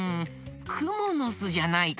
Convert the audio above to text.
くものすじゃないかな？